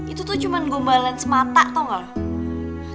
itu tuh cuma gombalan semata tau gak lo